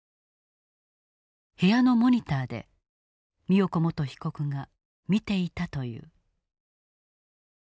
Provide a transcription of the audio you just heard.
部屋のモニターで美代子元被告が見ていたという。